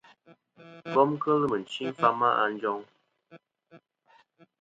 Kom kel mɨ̀nchi fama a njoŋ.